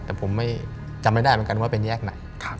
จำไม่ได้เหมือนกันว่าเป็นแยกไหน